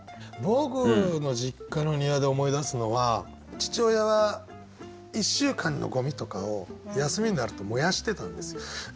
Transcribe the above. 僕の実家の庭で思い出すのは父親は１週間のゴミとかを休みになると燃やしてたんです。